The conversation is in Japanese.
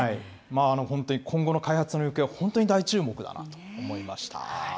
本当に今後の開発の行方は、本当に大注目だなと思いました。